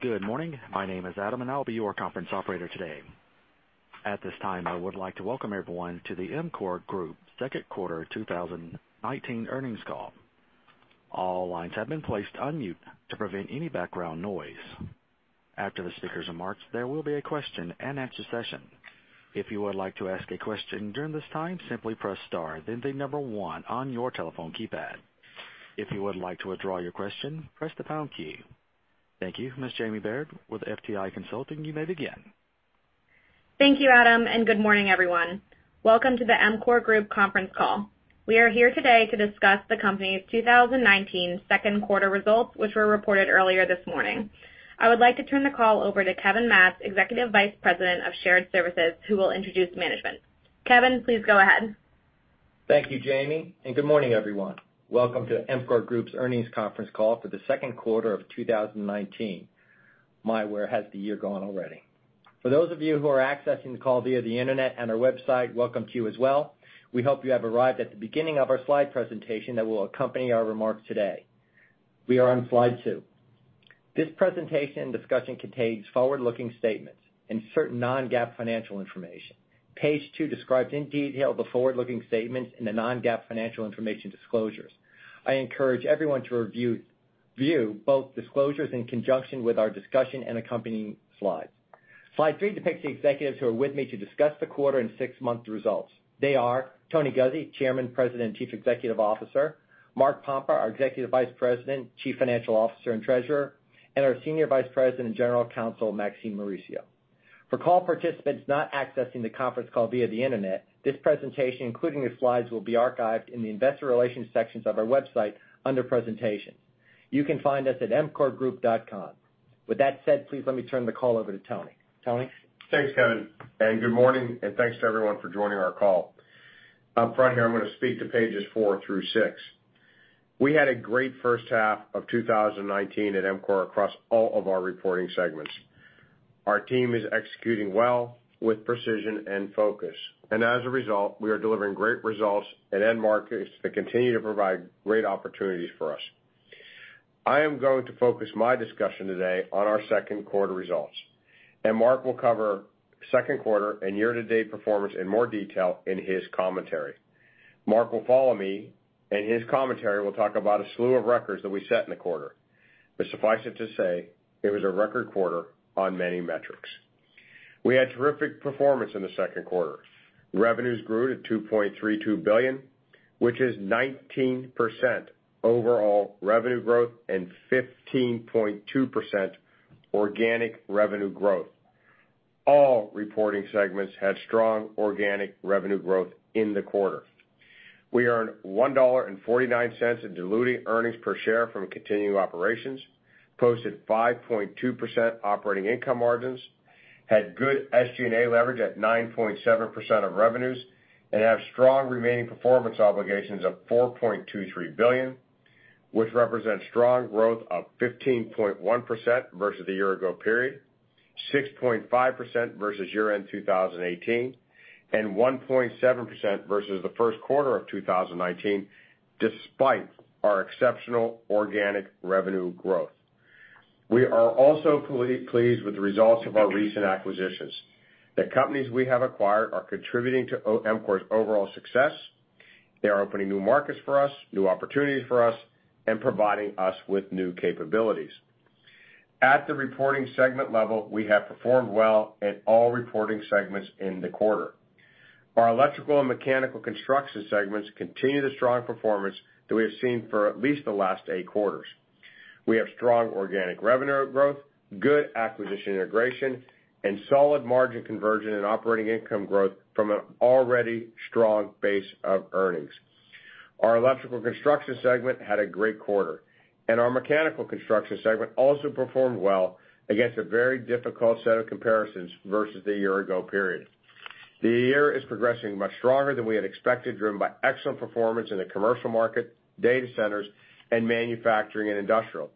Good morning. My name is Adam, and I'll be your conference operator today. At this time, I would like to welcome everyone to the EMCOR Group second quarter 2019 earnings call. All lines have been placed on mute to prevent any background noise. After the speakers' remarks, there will be a question and answer session. If you would like to ask a question during this time, simply press star, then the number one on your telephone keypad. If you would like to withdraw your question, press the pound key. Thank you, Ms. Jamie Baird with FTI Consulting, you may begin. Thank you, Adam, and good morning, everyone. Welcome to the EMCOR Group conference call. We are here today to discuss the company's 2019 second quarter results, which were reported earlier this morning. I would like to turn the call over to Kevin Matz, Executive Vice President, Shared Services, who will introduce management. Kevin, please go ahead. Thank you, Jamie, and good morning, everyone. Welcome to EMCOR Group's earnings conference call for the second quarter of 2019. My, where has the year gone already? For those of you who are accessing the call via the internet and our website, welcome to you as well. We hope you have arrived at the beginning of our slide presentation that will accompany our remarks today. We are on slide two. This presentation and discussion contains forward-looking statements and certain non-GAAP financial information. Page two describes in detail the forward-looking statements and the non-GAAP financial information disclosures. I encourage everyone to review both disclosures in conjunction with our discussion and accompanying slides. Slide three depicts the executives who are with me to discuss the quarter and six-month results. They are Tony Guzzi, Chairman, President, and Chief Executive Officer. Mark Pompa, our Executive Vice President, Chief Financial Officer, and Treasurer, and our Senior Vice President and General Counsel, Maxine Mauricio. For call participants not accessing the conference call via the internet, this presentation, including the slides, will be archived in the investor relations sections of our website under presentations. You can find us at emcorgroup.com. With that said, please let me turn the call over to Tony. Tony? Thanks, Kevin. Good morning. Thanks to everyone for joining our call. Up front here, I'm going to speak to pages four through six. We had a great first half of 2019 at EMCOR across all of our reporting segments. Our team is executing well with precision and focus. As a result, we are delivering great results in end markets that continue to provide great opportunities for us. I am going to focus my discussion today on our second quarter results. Mark will cover second quarter and year-to-date performance in more detail in his commentary. Mark will follow me. In his commentary, we'll talk about a slew of records that we set in the quarter. Suffice it to say, it was a record quarter on many metrics. We had terrific performance in the second quarter. Revenues grew to $2.32 billion, which is 19% overall revenue growth and 15.2% organic revenue growth. All reporting segments had strong organic revenue growth in the quarter. We earned $1.49 in diluted earnings per share from continued operations, posted 5.2% operating income margins, had good SG&A leverage at 9.7% of revenues, and have strong remaining performance obligations of $4.23 billion, which represents strong growth of 15.1% versus the year ago period, 6.5% versus year-end 2018, and 1.7% versus the first quarter of 2019, despite our exceptional organic revenue growth. We are also pleased with the results of our recent acquisitions. The companies we have acquired are contributing to EMCOR's overall success. They are opening new markets for us, new opportunities for us, and providing us with new capabilities. At the reporting segment level, we have performed well in all reporting segments in the quarter. Our Electrical and Mechanical Construction segments continue the strong performance that we have seen for at least the last eight quarters. We have strong organic revenue growth, good acquisition integration, and solid margin conversion and operating income growth from an already strong base of earnings. Our Electrical Construction segment had a great quarter, and our Mechanical Construction segment also performed well against a very difficult set of comparisons versus the year ago period. The year is progressing much stronger than we had expected, driven by excellent performance in the commercial market, data centers, and manufacturing and industrial,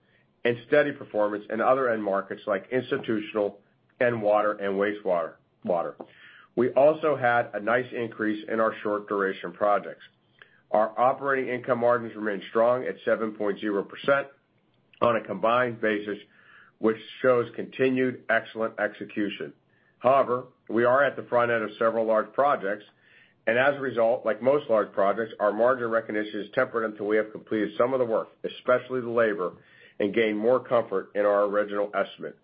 and steady performance in other end markets like institutional and water and wastewater. We also had a nice increase in our short-duration projects. Our operating income margins remain strong at 7.0% on a combined basis, which shows continued excellent execution. We are at the front end of several large projects, and as a result, like most large projects, our margin recognition is tempered until we have completed some of the work, especially the labor, and gain more comfort in our original estimate.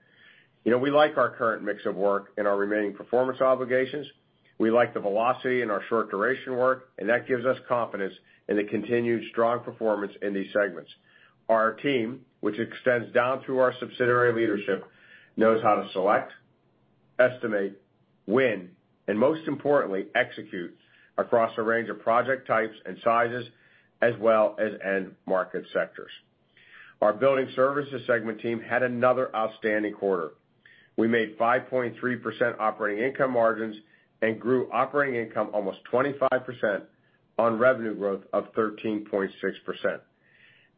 We like our current mix of work and our remaining performance obligations. We like the velocity in our short-duration work, that gives us confidence in the continued strong performance in these segments. Our team, which extends down through our subsidiary leadership, knows how to select, estimate, win, and most importantly, execute across a range of project types and sizes, as well as end market sectors. Our Building Services segment team had another outstanding quarter. We made 5.3% operating income margins and grew operating income almost 25% on revenue growth of 13.6%.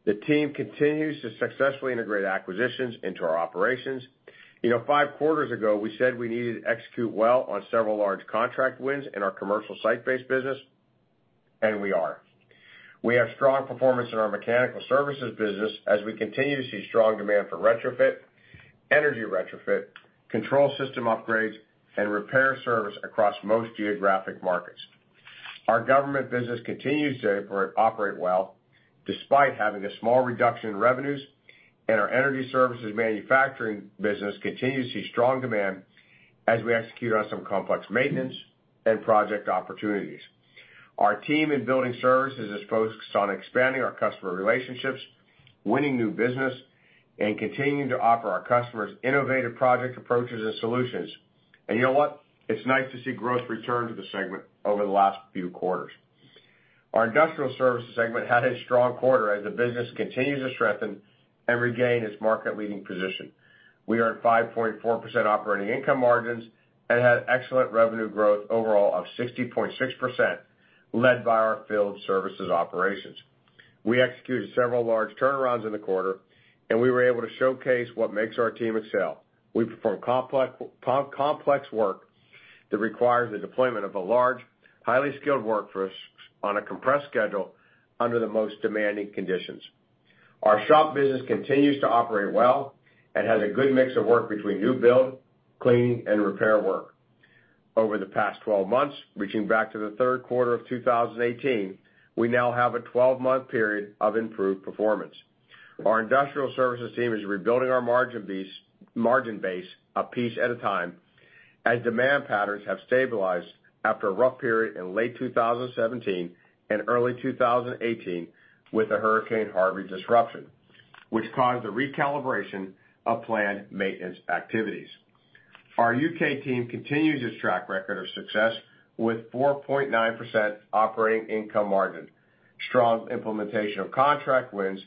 The team continues to successfully integrate acquisitions into our operations. Five quarters ago, we said we needed to execute well on several large contract wins in our commercial site-based business. We are. We have strong performance in our mechanical services business as we continue to see strong demand for retrofit, energy retrofit, control system upgrades, and repair service across most geographic markets. Our government business continues to operate well despite having a small reduction in revenues, and our energy services manufacturing business continues to see strong demand as we execute on some complex maintenance and project opportunities. Our team in building services is focused on expanding our customer relationships, winning new business, and continuing to offer our customers innovative project approaches and solutions. You know what? It's nice to see growth return to the segment over the last few quarters. Our industrial services segment had a strong quarter as the business continues to strengthen and regain its market-leading position. We are at 5.4% operating income margins and had excellent revenue growth overall of 60.6%, led by our field services operations. We executed several large turnarounds in the quarter, and we were able to showcase what makes our team excel. We perform complex work that requires the deployment of a large, highly skilled workforce on a compressed schedule under the most demanding conditions. Our shop business continues to operate well and has a good mix of work between new build, cleaning, and repair work. Over the past 12 months, reaching back to the third quarter of 2018, we now have a 12-month period of improved performance. Our industrial services team is rebuilding our margin base a piece at a time, as demand patterns have stabilized after a rough period in late 2017 and early 2018 with the Hurricane Harvey disruption, which caused a recalibration of planned maintenance activities. Our U.K. team continues its track record of success with 4.9% operating income margin, strong implementation of contract wins,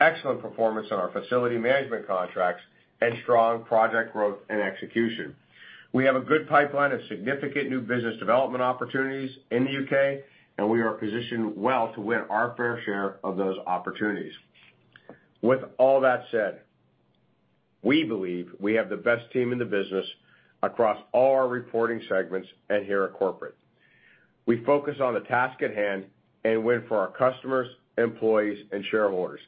excellent performance on our facility management contracts, and strong project growth and execution. We have a good pipeline of significant new business development opportunities in the U.K. We are positioned well to win our fair share of those opportunities. With all that said, we believe we have the best team in the business across all our reporting segments and here at corporate. We focus on the task at hand and win for our customers, employees, and shareholders.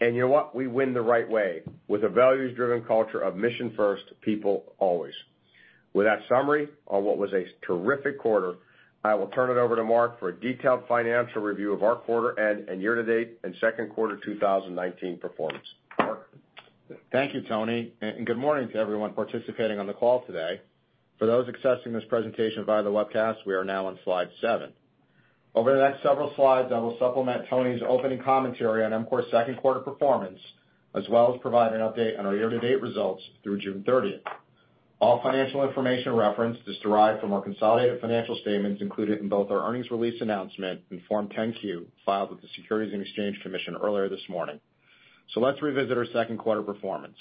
You know what? We win the right way with a values-driven culture of mission first, people always. With that summary on what was a terrific quarter, I will turn it over to Mark for a detailed financial review of our quarter end and year-to-date and second quarter 2019 performance. Mark? Thank you, Tony. Good morning to everyone participating on the call today. For those accessing this presentation via the webcast, we are now on slide seven. Over the next several slides, I will supplement Tony's opening commentary on EMCOR's second quarter performance, as well as provide an update on our year-to-date results through June 30th. All financial information referenced is derived from our consolidated financial statements included in both our earnings release announcement and Form 10-Q filed with the Securities and Exchange Commission earlier this morning. Let's revisit our second quarter performance.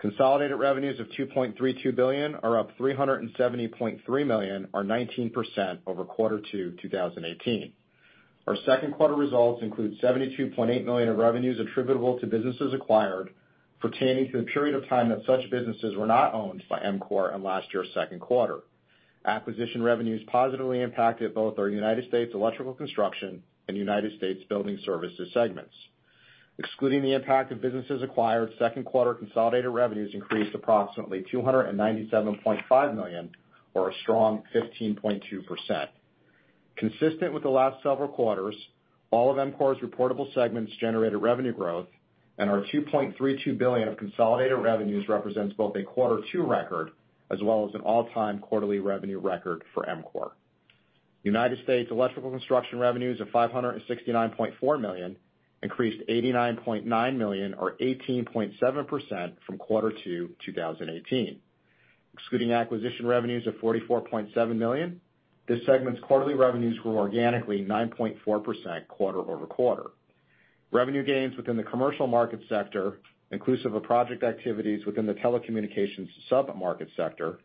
Consolidated revenues of $2.32 billion are up $370.3 million, or 19%, over Q2 2018. Our second quarter results include $72.8 million of revenues attributable to businesses acquired pertaining to the period of time that such businesses were not owned by EMCOR in last year's second quarter. Acquisition revenues positively impacted both our U.S. Electrical Construction and U.S. Building Services segments. Excluding the impact of businesses acquired, second quarter consolidated revenues increased approximately $297.5 million, or a strong 15.2%. Consistent with the last several quarters, all of EMCOR's reportable segments generated revenue growth, and our $2.32 billion of consolidated revenues represents both a Q2 record as well as an all-time quarterly revenue record for EMCOR. U.S. Electrical Construction revenues of $569.4 million increased $89.9 million or 18.7% from Q2 2018. Excluding acquisition revenues of $44.7 million, this segment's quarterly revenues grew organically 9.4% quarter-over-quarter. Revenue gains within the commercial market sector, inclusive of project activities within the telecommunications sub-market sector,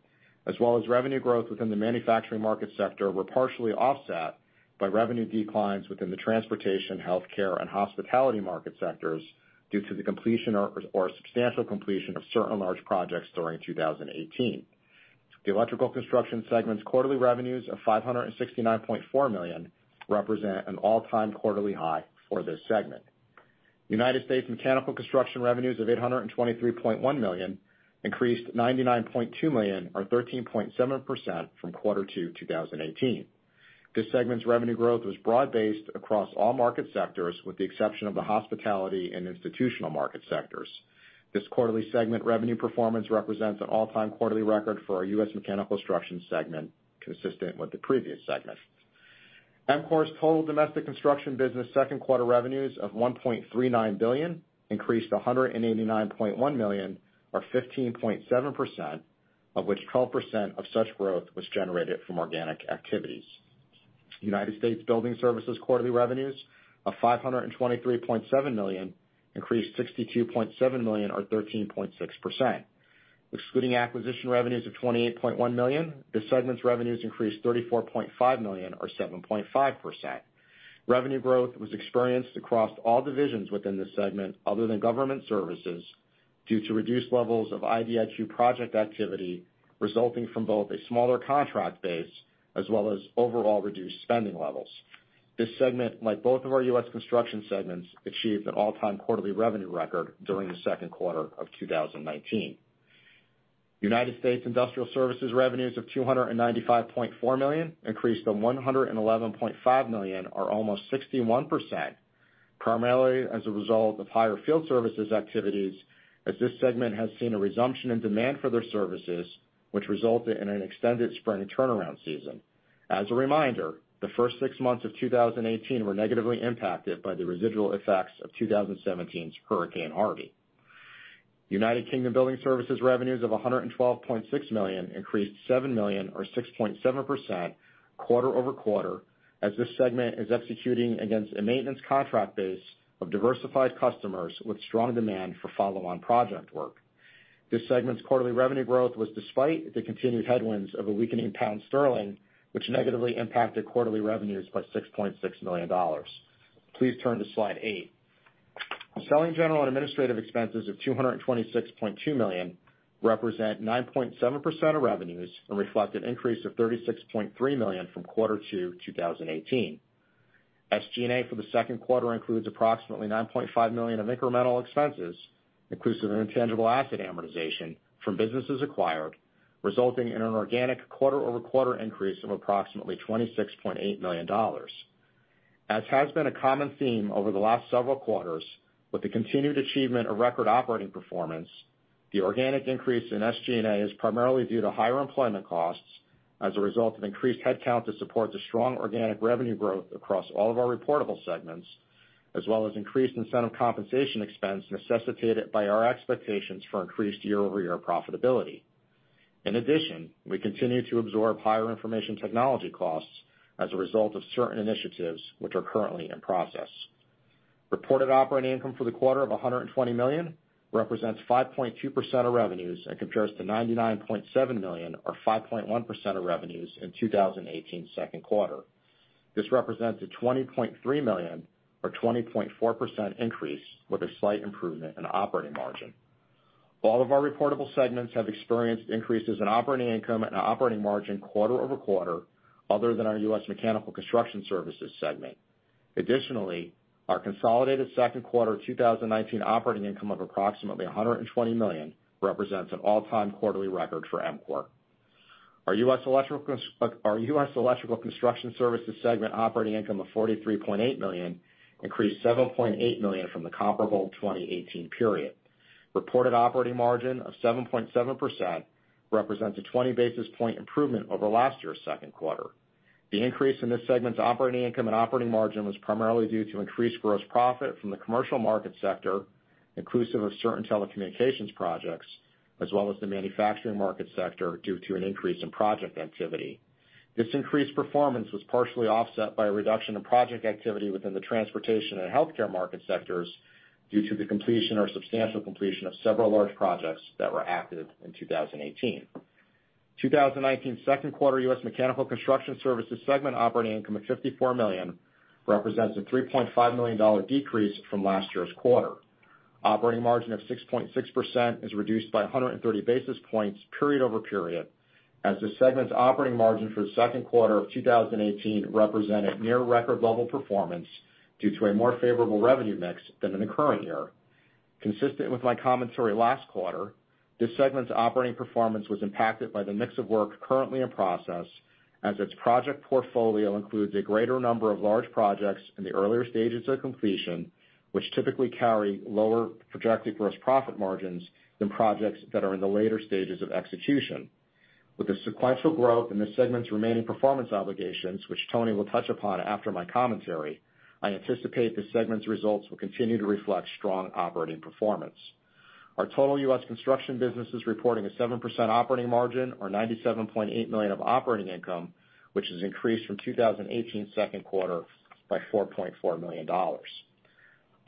as well as revenue growth within the manufacturing market sector, were partially offset by revenue declines within the transportation, healthcare, and hospitality market sectors due to the completion or substantial completion of certain large projects during 2018. The electrical construction segment's quarterly revenues of $569.4 million represent an all-time quarterly high for this segment. U.S. mechanical construction revenues of $823.1 million increased $99.2 million or 13.7% from quarter two 2018. This segment's revenue growth was broad-based across all market sectors, with the exception of the hospitality and institutional market sectors. This quarterly segment revenue performance represents an all-time quarterly record for our U.S. Mechanical Construction segment, consistent with the previous segment. EMCOR's total domestic construction business second quarter revenues of $1.39 billion increased $189.1 million or 15.7%, of which 12% of such growth was generated from organic activities. U.S. Building Services quarterly revenues of $523.7 million increased $62.7 million or 13.6%. Excluding acquisition revenues of $28.1 million, this segment's revenues increased $34.5 million or 7.5%. Revenue growth was experienced across all divisions within the segment other than government services, due to reduced levels of IDIQ project activity resulting from both a smaller contract base as well as overall reduced spending levels. This segment, like both of our U.S. construction segments, achieved an all-time quarterly revenue record during the second quarter of 2019. United States industrial services revenues of $295.4 million increased from $111.5 million, or almost 61%, primarily as a result of higher field services activities, as this segment has seen a resumption in demand for their services, which resulted in an extended spring turnaround season. As a reminder, the first six months of 2018 were negatively impacted by the residual effects of 2017's Hurricane Harvey. United Kingdom building services revenues of $112.6 million increased $7 million or 6.7% quarter-over-quarter, as this segment is executing against a maintenance contract base of diversified customers with strong demand for follow-on project work. This segment's quarterly revenue growth was despite the continued headwinds of a weakening pound sterling, which negatively impacted quarterly revenues by $6.6 million. Please turn to slide eight. Selling general and administrative expenses of $226.2 million represent 9.7% of revenues and reflect an increase of $36.3 million from quarter two 2018. SG&A for the second quarter includes approximately $9.5 million of incremental expenses inclusive of intangible asset amortization from businesses acquired, resulting in an organic quarter-over-quarter increase of approximately $26.8 million. As has been a common theme over the last several quarters, with the continued achievement of record operating performance, the organic increase in SG&A is primarily due to higher employment costs as a result of increased headcount to support the strong organic revenue growth across all of our reportable segments, as well as increased incentive compensation expense necessitated by our expectations for increased year-over-year profitability. In addition, we continue to absorb higher information technology costs as a result of certain initiatives which are currently in process. Reported operating income for the quarter of $120 million represents 5.2% of revenues and compares to $99.7 million, or 5.1% of revenues in 2018's second quarter. This represents a $20.3 million, or 20.4% increase with a slight improvement in operating margin. All of our reportable segments have experienced increases in operating income and operating margin quarter-over-quarter, other than our U.S. Mechanical Construction Services segment. Additionally, our consolidated second quarter 2019 operating income of approximately $120 million represents an all-time quarterly record for EMCOR. Our U.S. Electrical Construction Services segment operating income of $43.8 million increased $7.8 million from the comparable 2018 period. Reported operating margin of 7.7% represents a 20-basis point improvement over last year's second quarter. The increase in this segment's operating income and operating margin was primarily due to increased gross profit from the commercial market sector, inclusive of certain telecommunications projects, as well as the manufacturing market sector, due to an increase in project activity. This increased performance was partially offset by a reduction in project activity within the transportation and healthcare market sectors due to the completion or substantial completion of several large projects that were active in 2018. 2019's second quarter U.S. Mechanical Construction Services segment operating income of $54 million represents a $3.5 million decrease from last year's quarter. Operating margin of 6.6% is reduced by 130 basis points period over period, as the segment's operating margin for the second quarter of 2018 represented near record level performance due to a more favorable revenue mix than in the current year. Consistent with my commentary last quarter, this segment's operating performance was impacted by the mix of work currently in process, as its project portfolio includes a greater number of large projects in the earlier stages of completion, which typically carry lower projected gross profit margins than projects that are in the later stages of execution. With the sequential growth in this segment's remaining performance obligations, which Tony will touch upon after my commentary, I anticipate this segment's results will continue to reflect strong operating performance. Our total U.S. construction business is reporting a 7% operating margin or $97.8 million of operating income, which has increased from 2018's second quarter by $4.4 million.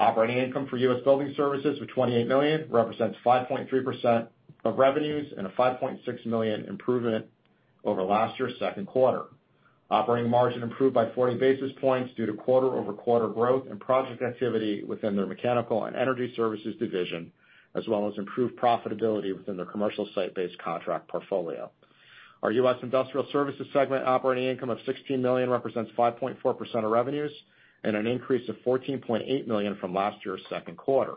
Operating income for U.S. building services of $28 million represents 5.3% of revenues and a $5.6 million improvement over last year's second quarter. Operating margin improved by 40 basis points due to quarter-over-quarter growth and project activity within their mechanical and energy services division, as well as improved profitability within their commercial site-based contract portfolio. Our U.S. Industrial Services segment operating income of $16 million represents 5.4% of revenues and an increase of $14.8 million from last year's second quarter.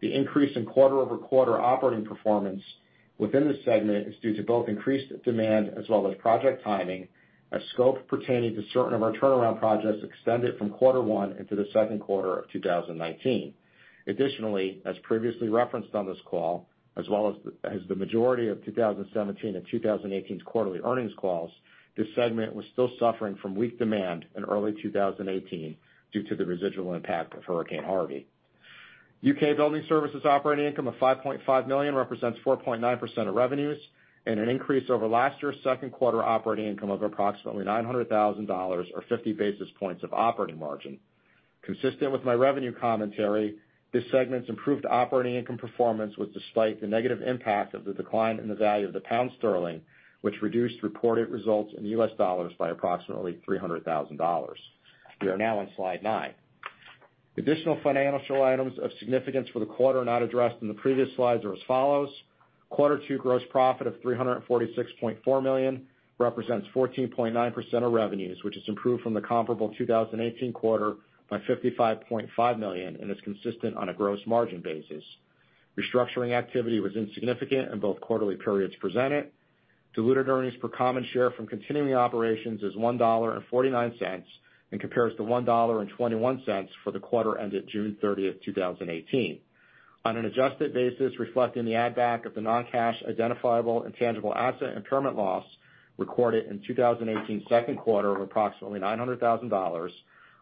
The increase in quarter-over-quarter operating performance within this segment is due to both increased demand as well as project timing, as scope pertaining to certain of our turnaround projects extended from quarter one into the second quarter of 2019. As previously referenced on this call, as well as the majority of 2017 and 2018's quarterly earnings calls, this segment was still suffering from weak demand in early 2018 due to the residual impact of Hurricane Harvey. U.K. building services operating income of $5.5 million represents 4.9% of revenues and an increase over last year's second quarter operating income of approximately $900,000 or 50 basis points of operating margin. Consistent with my revenue commentary, this segment's improved operating income performance was despite the negative impact of the decline in the value of the pound sterling, which reduced reported results in US dollars by approximately $300,000. We are now on slide nine. Additional financial items of significance for the quarter not addressed in the previous slides are as follows. Quarter two gross profit of $346.4 million represents 14.9% of revenues, which has improved from the comparable 2018 quarter by $55.5 million and is consistent on a gross margin basis. Restructuring activity was insignificant in both quarterly periods presented. Diluted earnings per common share from continuing operations is $1.49 and compares to $1.21 for the quarter ended June 30th, 2018. On an adjusted basis reflecting the add back of the non-cash identifiable and tangible asset impairment loss recorded in 2018's second quarter of approximately $900,000,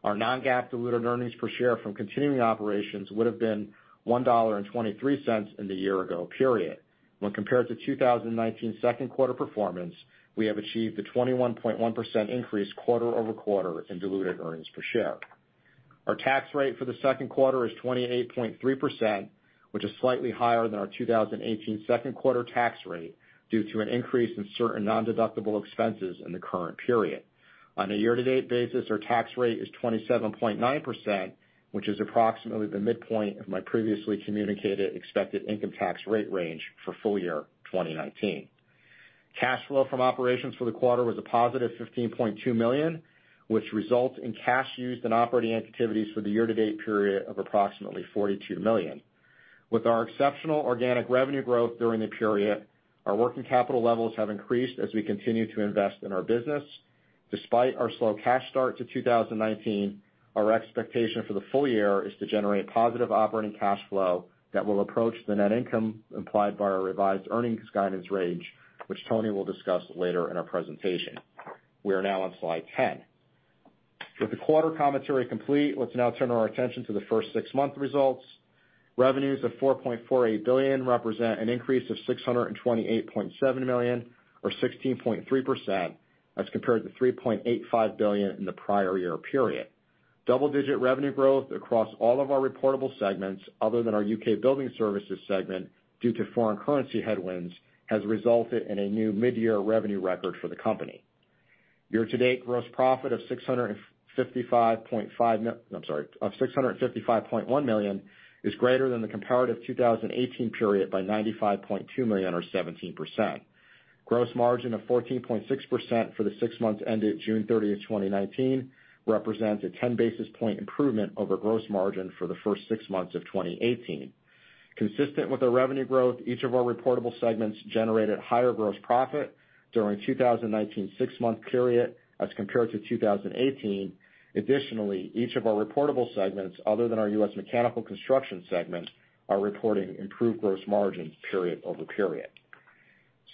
our non-GAAP diluted earnings per share from continuing operations would have been $1.23 in the year-ago period. When compared to 2019's second quarter performance, we have achieved a 21.1% increase quarter-over-quarter in diluted earnings per share. Our tax rate for the second quarter is 28.3%, which is slightly higher than our 2018 second quarter tax rate due to an increase in certain non-deductible expenses in the current period. On a year-to-date basis, our tax rate is 27.9%, which is approximately the midpoint of my previously communicated expected income tax rate range for full year 2019. Cash flow from operations for the quarter was a positive $15.2 million, which results in cash used in operating activities for the year-to-date period of approximately $42 million. With our exceptional organic revenue growth during the period, our working capital levels have increased as we continue to invest in our business. Despite our slow cash start to 2019, our expectation for the full year is to generate positive operating cash flow that will approach the net income implied by our revised earnings guidance range, which Tony will discuss later in our presentation. We are now on slide 10. With the quarter commentary complete, let's now turn our attention to the first six-month results. Revenues of $4.48 billion represent an increase of $628.7 million or 16.3% as compared to $3.85 billion in the prior year period. Double-digit revenue growth across all of our reportable segments other than our U.K. Building Services segment due to foreign currency headwinds has resulted in a new mid-year revenue record for the company. Year-to-date gross profit, I'm sorry, of $655.1 million is greater than the comparative 2018 period by $95.2 million or 17%. Gross margin of 14.6% for the six months ended June 30th, 2019, represents a 10-basis point improvement over gross margin for the first six months of 2018. Consistent with our revenue growth, each of our reportable segments generated higher gross profit during 2019's six-month period as compared to 2018. Additionally, each of our reportable segments, other than our U.S. Mechanical Construction segment, are reporting improved gross margins period over period.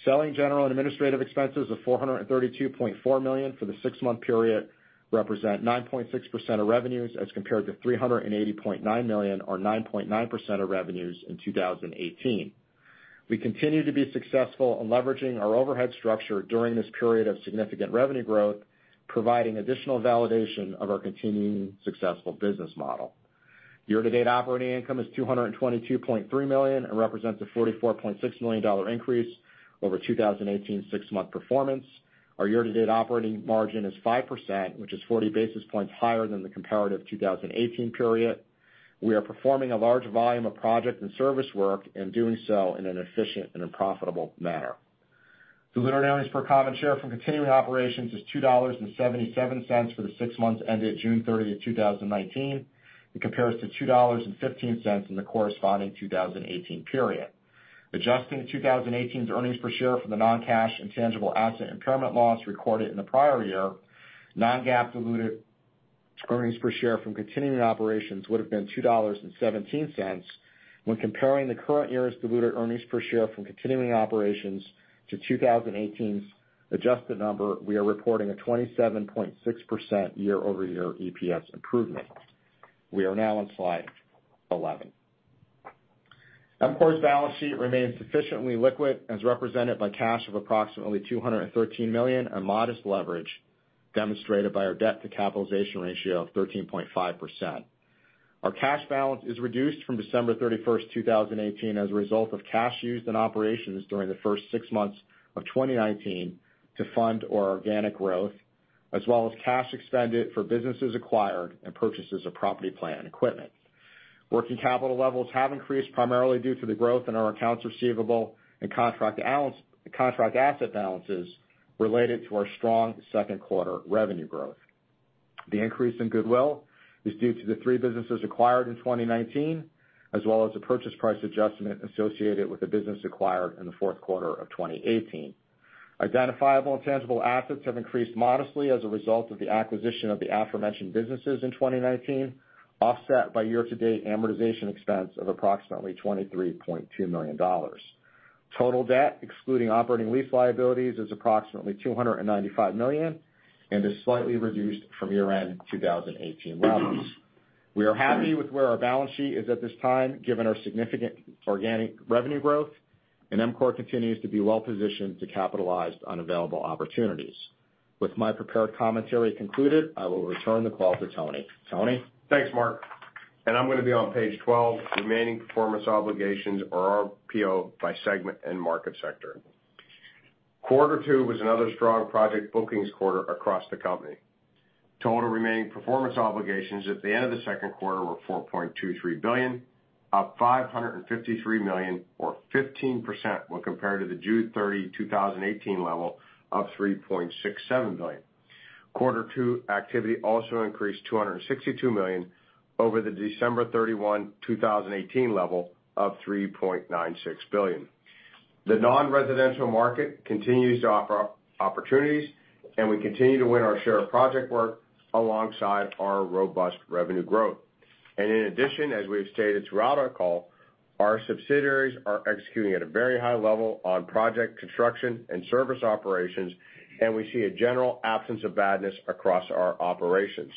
Selling, General, and Administrative expenses of $432.4 million for the six-month period represent 9.6% of revenues as compared to $380.9 million or 9.9% of revenues in 2018. We continue to be successful in leveraging our overhead structure during this period of significant revenue growth, providing additional validation of our continuing successful business model. Year-to-date operating income is $222.3 million and represents a $44.6 million increase over 2018's six-month performance. Our year-to-date operating margin is 5%, which is 40 basis points higher than the comparative 2018 period. We are performing a large volume of project and service work and doing so in an efficient and a profitable manner. Diluted earnings per common share from continuing operations is $2.77 for the six months ended June 30th, 2019. It compares to $2.15 in the corresponding 2018 period. Adjusting 2018's earnings per share from the non-cash intangible asset impairment loss recorded in the prior year, non-GAAP diluted earnings per share from continuing operations would have been $2.17. When comparing the current year's diluted earnings per share from continuing operations to 2018's adjusted number, we are reporting a 27.6% year-over-year EPS improvement. We are now on slide 11. EMCOR's balance sheet remains sufficiently liquid as represented by cash of approximately $213 million and modest leverage demonstrated by our debt to capitalization ratio of 13.5%. Our cash balance is reduced from December 31, 2018, as a result of cash used in operations during the first six months of 2019 to fund our organic growth, as well as cash expended for businesses acquired and purchases of property, plant, and equipment. Working capital levels have increased primarily due to the growth in our accounts receivable and contract asset balances related to our strong second quarter revenue growth. The increase in goodwill is due to the three businesses acquired in 2019, as well as the purchase price adjustment associated with the business acquired in the fourth quarter of 2018. Identifiable intangible assets have increased modestly as a result of the acquisition of the aforementioned businesses in 2019, offset by year-to-date amortization expense of approximately $23.2 million. Total debt, excluding operating lease liabilities, is approximately $295 million and is slightly reduced from year-end 2018 levels. We are happy with where our balance sheet is at this time, given our significant organic revenue growth. EMCOR continues to be well-positioned to capitalize on available opportunities. With my prepared commentary concluded, I will return the call to Tony. Tony? Thanks, Mark. I'm going to be on page 12, Remaining Performance Obligations or RPO by segment and market sector. Quarter two was another strong project bookings quarter across the company. Total remaining performance obligations at the end of the second quarter were $4.23 billion, up $553 million or 15% when compared to the June 30, 2018 level of $3.67 billion. Quarter two activity also increased $262 million over the December 31, 2018 level of $3.96 billion. The non-residential market continues to offer opportunities, we continue to win our share of project work alongside our robust revenue growth. In addition, as we have stated throughout our call, our subsidiaries are executing at a very high level on project construction and service operations, we see a general absence of badness across our operations.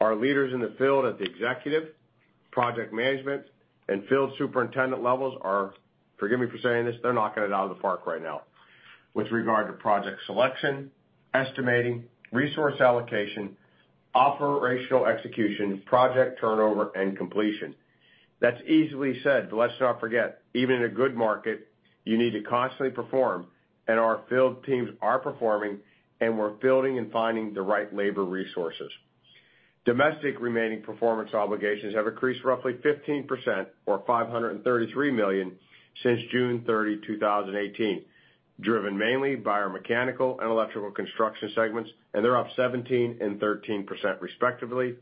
Our leaders in the field at the executive, project management, and field superintendent levels are, forgive me for saying this, they're knocking it out of the park right now with regard to project selection, estimating, resource allocation, operational execution, project turnover, and completion. That's easily said, but let's not forget, even in a good market, you need to constantly perform, and our field teams are performing, and we're building and finding the right labor resources. Domestic remaining performance obligations have increased roughly 15% or $533 million since June 30, 2018, driven mainly by our Mechanical and Electrical Construction segments, and they're up 17% and 13%, respectively,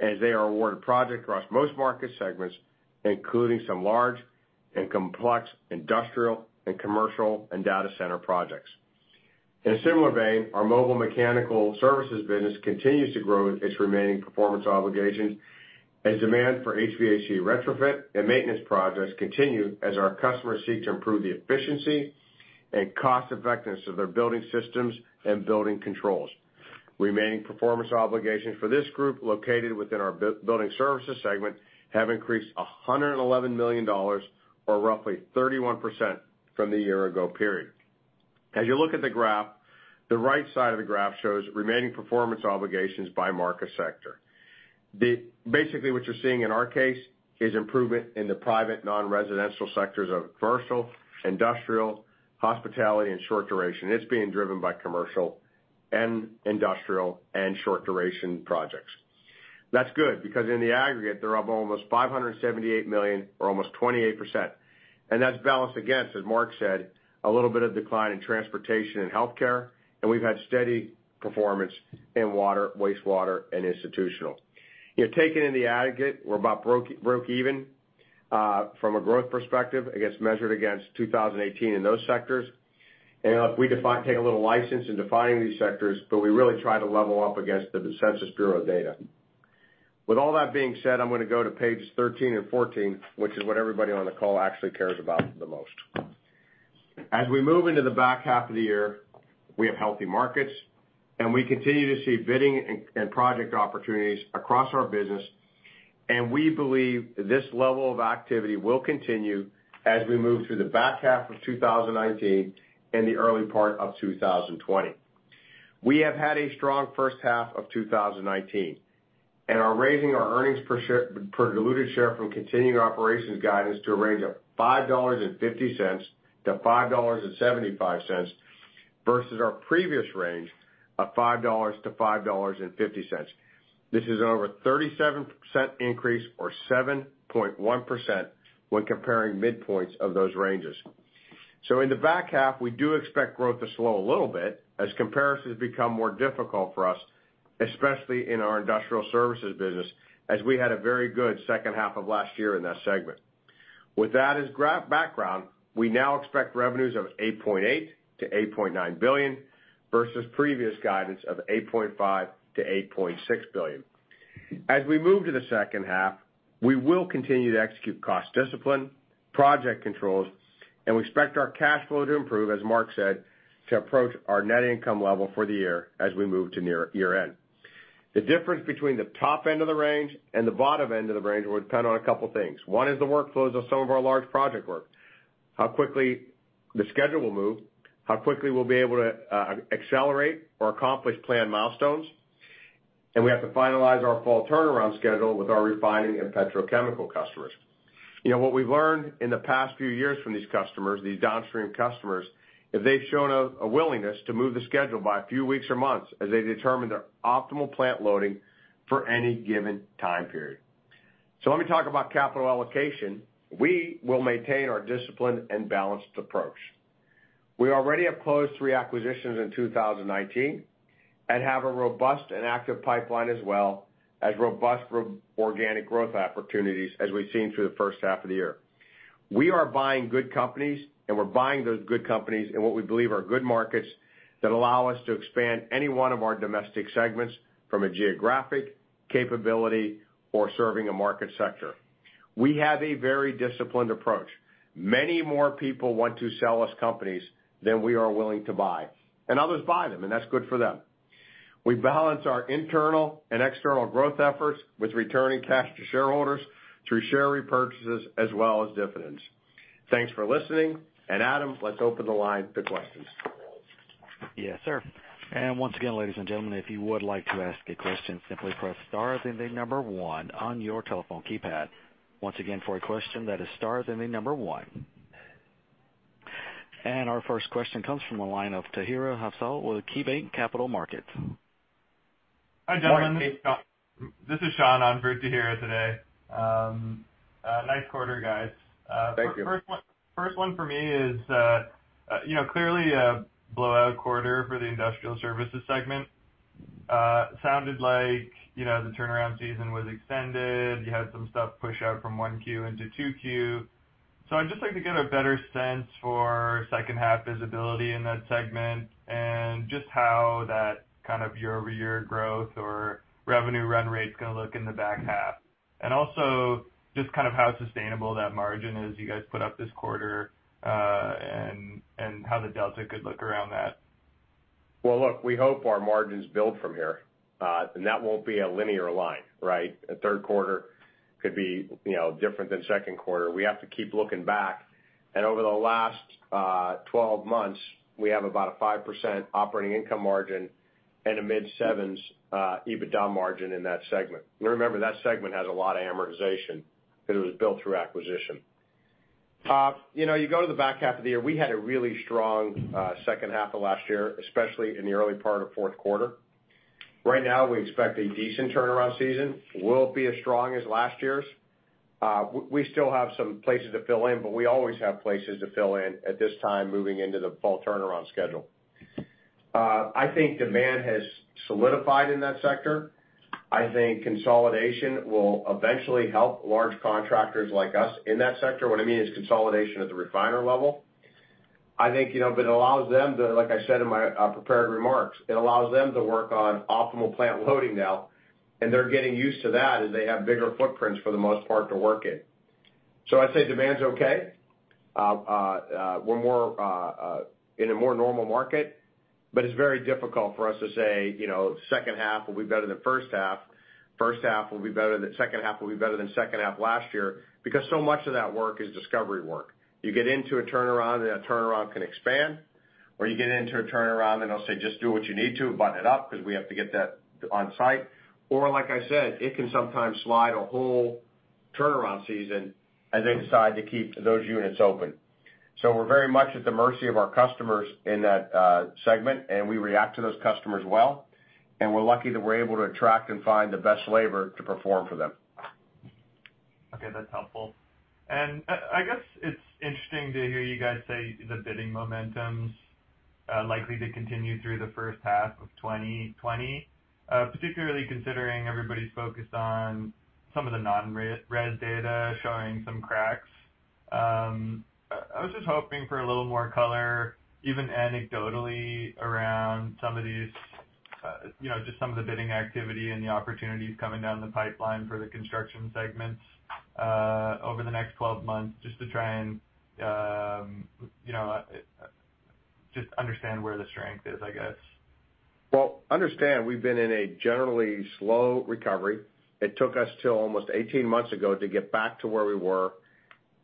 as they are awarded projects across most market segments, including some large and complex industrial and commercial and data center projects. In a similar vein, our mobile mechanical services business continues to grow its remaining performance obligations, as demand for HVAC retrofit and maintenance projects continue as our customers seek to improve the efficiency and cost-effectiveness of their building systems and building controls. Remaining performance obligations for this group located within our building services segment have increased $111 million or roughly 31% from the year-ago period. As you look at the graph, the right side of the graph shows remaining performance obligations by market sector. Basically, what you're seeing in our case is improvement in the private non-residential sectors of commercial, industrial, hospitality, and short duration. It's being driven by commercial and industrial and short-duration projects. That's good because in the aggregate, they're up almost $578 million or almost 28%, and that's balanced against, as Mark Pompa said, a little bit of decline in transportation and healthcare, and we've had steady performance in water, wastewater, and institutional. Taken in the aggregate, we're about breakeven from a growth perspective, I guess, measured against 2018 in those sectors. We take a little license in defining these sectors, but we really try to level up against the Census Bureau data. With all that being said, I'm going to go to pages 13 and 14, which is what everybody on the call actually cares about the most. As we move into the back half of the year, we have healthy markets, and we continue to see bidding and project opportunities across our business, and we believe this level of activity will continue as we move through the back half of 2019 and the early part of 2020. We have had a strong first half of 2019 and are raising our earnings per diluted share from continuing operations guidance to a range of $5.50-$5.75 versus our previous range of $5-$5.50. This is an over 37% increase or 7.1% when comparing midpoints of those ranges. In the back half, we do expect growth to slow a little bit as comparisons become more difficult for us, especially in our industrial services business, as we had a very good second half of last year in that segment. With that as background, we now expect revenues of $8.8 billion-$8.9 billion versus previous guidance of $8.5 billion-$8.6 billion. As we move to the second half, we will continue to execute cost discipline, project controls, and we expect our cash flow to improve, as Mark said, to approach our net income level for the year as we move to near year-end. The difference between the top end of the range and the bottom end of the range will depend on a couple things. One is the workflows of some of our large project work, how quickly the schedule will move, how quickly we'll be able to accelerate or accomplish planned milestones, and we have to finalize our fall turnaround schedule with our refining and petrochemical customers. What we've learned in the past few years from these customers, these downstream customers, is they've shown a willingness to move the schedule by a few weeks or months as they determine their optimal plant loading for any given time period. Let me talk about capital allocation. We will maintain our discipline and balanced approach. We already have closed three acquisitions in 2019 and have a robust and active pipeline as well as robust organic growth opportunities as we've seen through the first half of the year. We are buying good companies, and we're buying those good companies in what we believe are good markets that allow us to expand any one of our domestic segments from a geographic capability or serving a market sector. We have a very disciplined approach. Many more people want to sell us companies than we are willing to buy, and others buy them, and that's good for them. We balance our internal and external growth efforts with returning cash to shareholders through share repurchases as well as dividends. Thanks for listening, and Adam, let's open the line to questions. Yes, sir. Once again, ladies and gentlemen, if you would like to ask a question, simply press star, then the number one on your telephone keypad. Once again, for a question, that is star, then the number one. Our first question comes from the line of Tahira Afzal with KeyBanc Capital Markets. Hi, gentlemen. This is Sean on for Tahira today. Nice quarter, guys. Thank you. First one for me is, clearly a blowout quarter for the industrial services segment. Sounded like, the turnaround season was extended. You had some stuff push out from 1Q into 2Q. I'd just like to get a better sense for second half visibility in that segment and just how that kind of year-over-year growth or revenue run rate's going to look in the back half. Also, just how sustainable that margin is you guys put up this quarter, and how the delta could look around that? Well, look, we hope our margins build from here. That won't be a linear line, right? A third quarter could be different than second quarter. We have to keep looking back, and over the last 12 months, we have about a 5% operating income margin and a mid-sevens EBITDA margin in that segment. Remember, that segment has a lot of amortization because it was built through acquisition. You go to the back half of the year, we had a really strong second half of last year, especially in the early part of fourth quarter. Right now, we expect a decent turnaround season. Will it be as strong as last year's? We still have some places to fill in, but we always have places to fill in at this time moving into the fall turnaround schedule. I think demand has solidified in that sector. I think consolidation will eventually help large contractors like us in that sector. What I mean is consolidation at the refiner level. I think, it allows them to, like I said in my prepared remarks, it allows them to work on optimal plant loading now, and they're getting used to that as they have bigger footprints for the most part to work in. I'd say demand's okay. We're in a more normal market, it's very difficult for us to say, second half will be better than first half. First half will be better than second half, will be better than second half last year, because so much of that work is discovery work. You get into a turnaround, and that turnaround can expand, or you get into a turnaround, then they'll say, "Just do what you need to, button it up, because we have to get that on-site." Like I said, it can sometimes slide a whole turnaround season as they decide to keep those units open. We're very much at the mercy of our customers in that segment, and we react to those customers well, and we're lucky that we're able to attract and find the best labor to perform for them. Okay, that's helpful. I guess it's interesting to hear you guys say the bidding momentum's likely to continue through the first half of 2020, particularly considering everybody's focused on some of the non-res data showing some cracks. I was just hoping for a little more color, even anecdotally, around just some of the bidding activity and the opportunities coming down the pipeline for the construction segments over the next 12 months, just to try and understand where the strength is, I guess. Understand, we've been in a generally slow recovery. It took us till almost 18 months ago to get back to where we were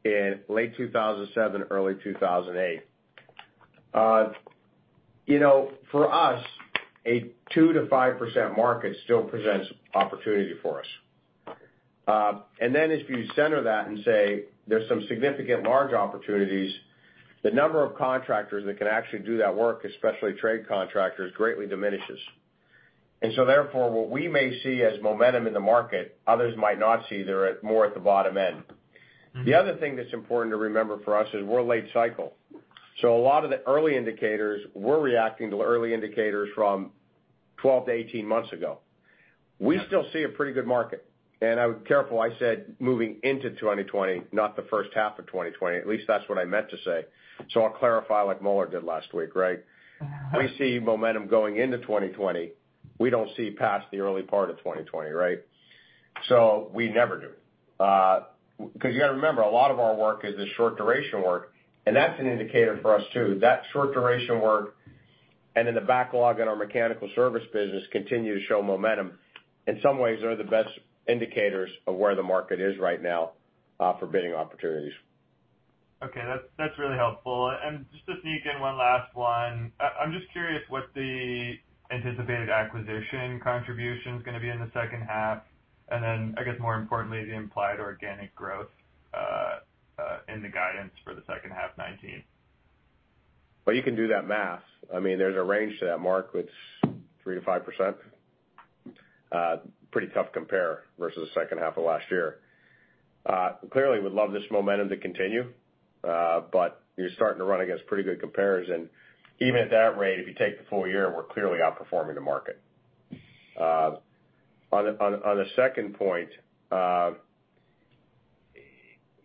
in late 2007, early 2008. For us, a 2%-5% market still presents opportunity for us. As you center that and say there's some significant large opportunities, the number of contractors that can actually do that work, especially trade contractors, greatly diminishes. Therefore, what we may see as momentum in the market, others might not see. They're more at the bottom end. The other thing that's important to remember for us is we're late cycle. A lot of the early indicators, we're reacting to early indicators from 12-18 months ago. We still see a pretty good market, and I was careful, I said moving into 2020, not the first half of 2020. At least that's what I meant to say. I'll clarify like Mueller did last week, right? We see momentum going into 2020. We don't see past the early part of 2020, right? We never do. Because you got to remember, a lot of our work is short-duration work, and that's an indicator for us, too. That short-duration work and in the backlog in our mechanical service business continue to show momentum, in some ways are the best indicators of where the market is right now for bidding opportunities. Okay, that's really helpful. Just to sneak in one last one, I'm just curious what the anticipated acquisition contribution's going to be in the second half, and then I guess more importantly, the implied organic growth in the guidance for the second half 2019. Well, you can do that math. There's a range to that mark with 3%-5%. Pretty tough compare versus the second half of last year. Clearly we'd love this momentum to continue, but you're starting to run against pretty good comparison. Even at that rate, if you take the full year, we're clearly outperforming the market. On the second point,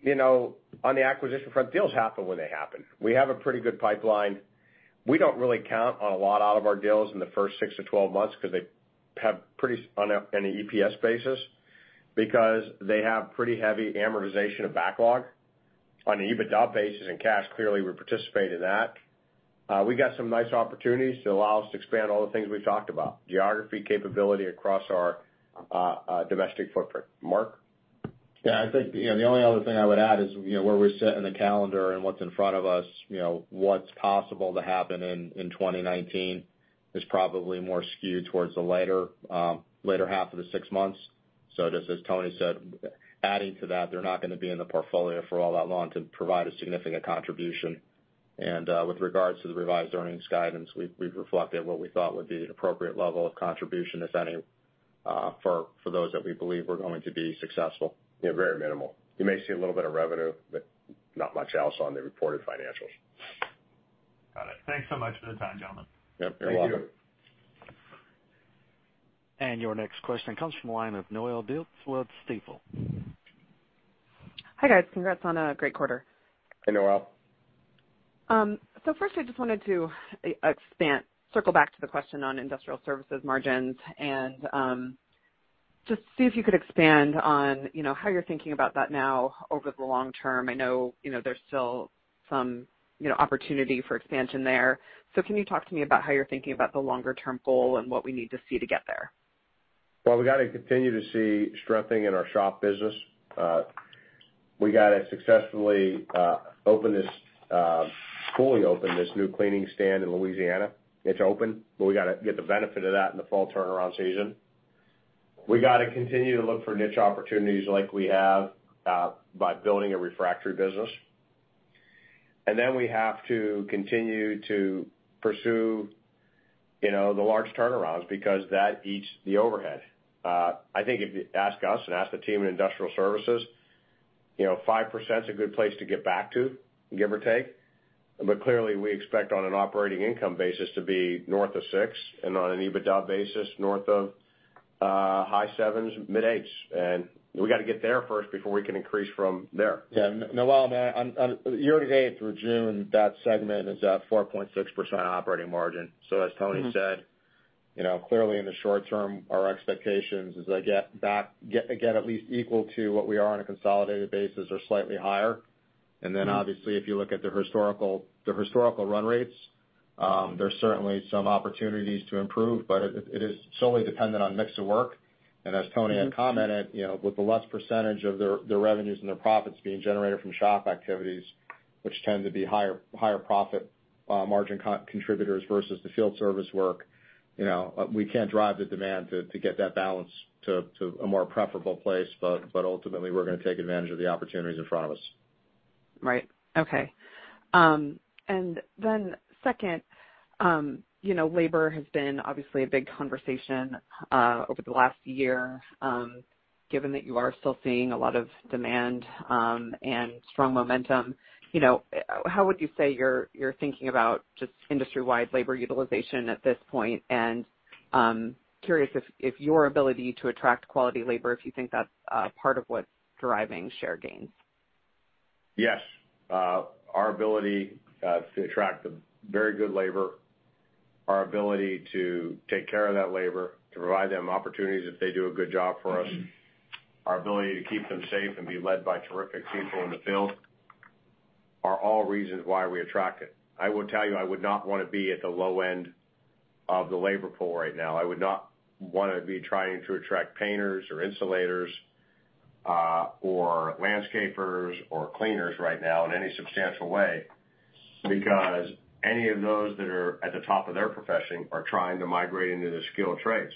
on the acquisition front, deals happen when they happen. We have a pretty good pipeline. We don't really count on a lot out of our deals in the first six to 12 months on an EPS basis, because they have pretty heavy amortization of backlog. On an EBITDA basis and cash, clearly we participate in that. We got some nice opportunities to allow us to expand all the things we've talked about, geography capability across our domestic footprint. Mark? Yeah, I think, the only other thing I would add is, where we sit in the calendar and what's in front of us, what's possible to happen in 2019 is probably more skewed towards the later half of the six months. Just as Tony said, adding to that, they're not going to be in the portfolio for all that long to provide a significant contribution. With regards to the revised earnings guidance, we've reflected what we thought would be an appropriate level of contribution, if any, for those that we believe were going to be successful, very minimal. You may see a little bit of revenue, but not much else on the reported financials. Got it. Thanks so much for the time, gentlemen. Yep, you're welcome. Thank you. Your next question comes from the line of Noelle Dilts with Stifel. Hi, guys. Congrats on a great quarter. Hey, Noelle. Firstly, I just wanted to circle back to the question on industrial services margins and just see if you could expand on how you're thinking about that now over the long term. I know there's still some opportunity for expansion there. Can you talk to me about how you're thinking about the longer-term goal and what we need to see to get there? Well, we got to continue to see strengthening in our shop business. We got to successfully fully open this new cleaning stand in Louisiana. It's open, but we got to get the benefit of that in the fall turnaround season. We got to continue to look for niche opportunities like we have, by building a refractory business. Then we have to continue to pursue the large turnarounds because that eats the overhead. I think if you ask us and ask the team in industrial services, 5%'s a good place to get back to, give or take. Clearly we expect on an operating income basis to be north of six, and on an EBITDA basis, north of high sevens, mid eights. We got to get there first before we can increase from there. Yeah. Noelle, on year to date through June, that segment is at 4.6% operating margin. As Tony said, clearly in the short term, our expectations is to get at least equal to what we are on a consolidated basis or slightly higher. Obviously if you look at the historical run rates, there's certainly some opportunities to improve, but it is solely dependent on mix of work. As Tony had commented, with the less percentage of their revenues and their profits being generated from shop activities, which tend to be higher profit margin contributors versus the field service work, we can't drive the demand to get that balance to a more preferable place. Ultimately we're going to take advantage of the opportunities in front of us. Right. Okay. Second, labor has been obviously a big conversation over the last year. Given that you are still seeing a lot of demand, and strong momentum, how would you say you're thinking about just industry-wide labor utilization at this point? Curious if your ability to attract quality labor, if you think that's part of what's driving share gains. Yes. Our ability to attract very good labor, our ability to take care of that labor, to provide them opportunities if they do a good job for us, our ability to keep them safe and be led by terrific people in the field, are all reasons why we attract it. I will tell you, I would not want to be at the low end of the labor pool right now. I would not want to be trying to attract painters or insulators, or landscapers or cleaners right now in any substantial way, because any of those that are at the top of their profession are trying to migrate into the skilled trades.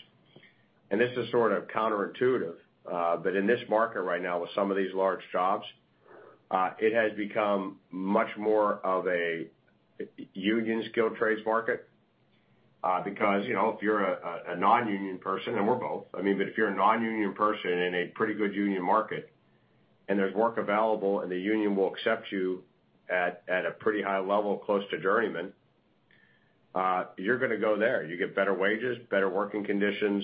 This is sort of counterintuitive, but in this market right now with some of these large jobs, it has become much more of a union skilled trades market, because if you're a non-union person, and we're both. I mean, if you're a non-union person in a pretty good union market and there's work available and the union will accept you at a pretty high level close to journeyman, you're going to go there. You get better wages, better working conditions,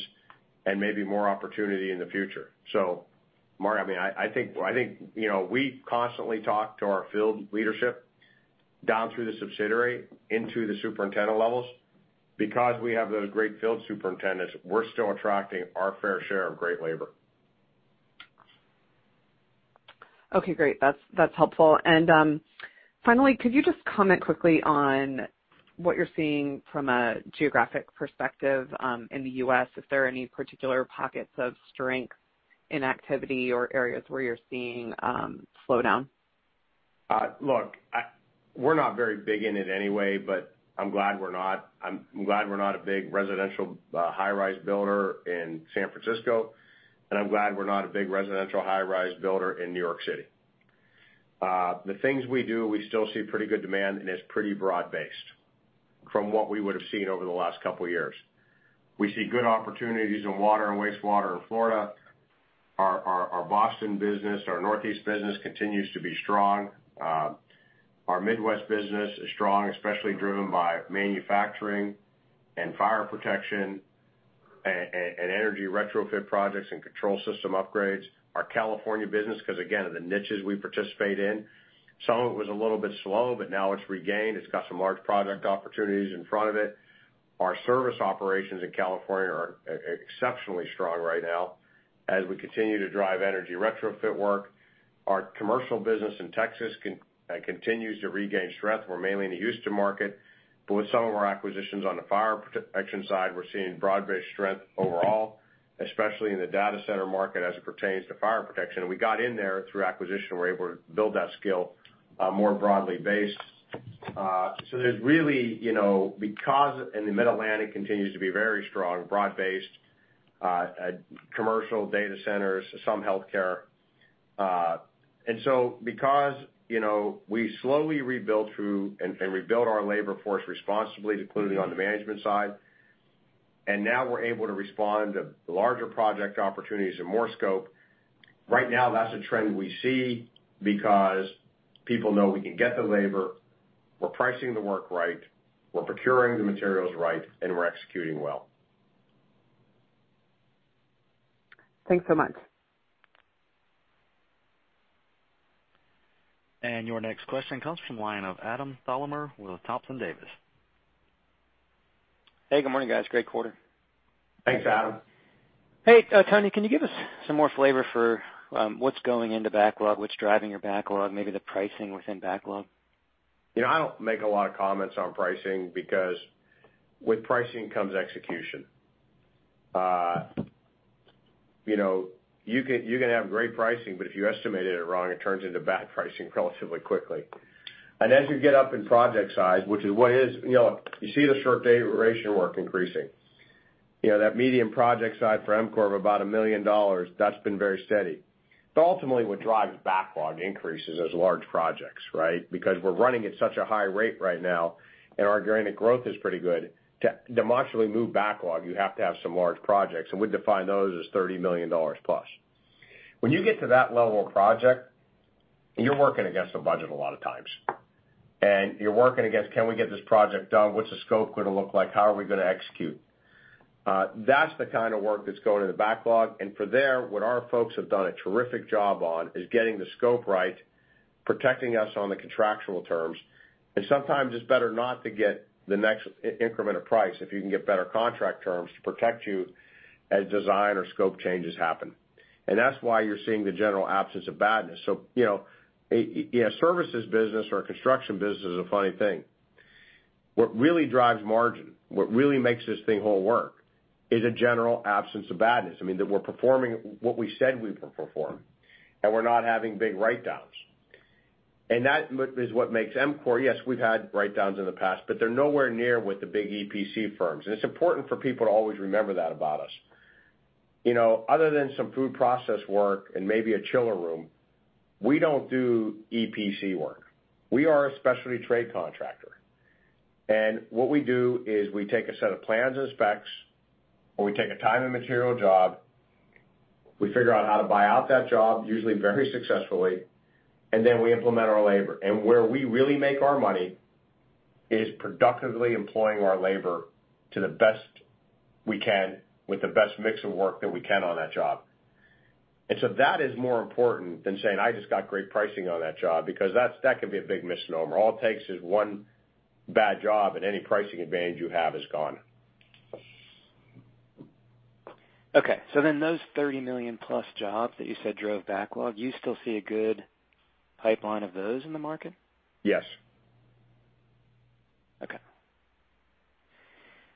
and maybe more opportunity in the future. Mark, I think, we constantly talk to our field leadership down through the subsidiary into the superintendent levels. We have those great field superintendents, we're still attracting our fair share of great labor. Okay, great. That's helpful. Finally, could you just comment quickly on what you're seeing from a geographic perspective, in the U.S.? If there are any particular pockets of strength in activity or areas where you're seeing slowdown? Look, we're not very big in it anyway, but I'm glad we're not a big residential high-rise builder in San Francisco, and I'm glad we're not a big residential high-rise builder in New York City. The things we do, we still see pretty good demand, and it's pretty broad-based from what we would've seen over the last couple years. We see good opportunities in water and wastewater in Florida. Our Boston business, our Northeast business continues to be strong. Our Midwest business is strong, especially driven by manufacturing and fire protection and energy retrofit projects and control system upgrades. Our California business, because again, the niches we participate in, some of it was a little bit slow, but now it's regained. It's got some large project opportunities in front of it. Our service operations in California are exceptionally strong right now as we continue to drive energy retrofit work. Our commercial business in Texas continues to regain strength. We're mainly in the Houston market, with some of our acquisitions on the fire protection side, we're seeing broad-based strength overall, especially in the data center market as it pertains to fire protection. We got in there through acquisition. We're able to build that skill more broadly based. The Mid-Atlantic continues to be very strong, broad-based commercial data centers, some healthcare. Because we slowly rebuilt through and rebuild our labor force responsibly, including on the management side, and now we're able to respond to larger project opportunities and more scope. Right now, that's a trend we see because people know we can get the labor, we're pricing the work right, we're procuring the materials right, and we're executing well. Thanks so much. Your next question comes from the line of Adam Thalhimer with Thompson Davis. Hey, good morning, guys. Great quarter. Thanks, Adam. Hey, Tony, can you give us some more flavor for what's going into backlog, what's driving your backlog, maybe the pricing within backlog? I don't make a lot of comments on pricing because with pricing comes execution. You can have great pricing, but if you estimated it wrong, it turns into bad pricing relatively quickly. As you get up in project size, you see the short duration work increasing. That medium project size for EMCOR of about $1 million, that's been very steady. Ultimately, what drives backlog increases is large projects, right? We're running at such a high rate right now, and our organic growth is pretty good. To demonstrably move backlog, you have to have some large projects, and we define those as $30+ million. When you get to that level of project, you're working against a budget a lot of times, and you're working against, "Can we get this project done? What's the scope going to look like? How are we going to execute? That's the kind of work that's going in the backlog. From there, what our folks have done a terrific job on is getting the scope right, protecting us on the contractual terms, and sometimes it's better not to get the next increment of price if you can get better contract terms to protect you as design or scope changes happen. That's why you're seeing the general absence of badness. A services business or a construction business is a funny thing. What really drives margin, what really makes this thing all work is a general absence of badness. I mean, that we're performing what we said we would perform, and we're not having big write-downs. That is what makes EMCOR, yes, we've had write-downs in the past, but they're nowhere near with the big EPC firms. It's important for people to always remember that about us. Other than some food process work and maybe a chiller room, we don't do EPC work. We are a specialty trade contractor. What we do is we take a set of plans and specs, or we take a time and material job, we figure out how to buy out that job, usually very successfully, and then we implement our labor. Where we really make our money is productively employing our labor to the best we can with the best mix of work that we can on that job. That is more important than saying, "I just got great pricing on that job," because that can be a big misnomer. All it takes is one bad job and any pricing advantage you have is gone. Okay. Those $30+ million jobs that you said drove backlog, you still see a good pipeline of those in the market? Yes. Okay.